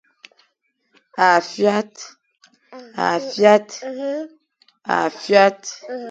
A fuat.